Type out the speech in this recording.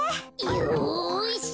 よし！